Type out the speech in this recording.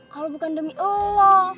kalau bukan demi allah